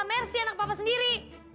mer si anak papa sendiri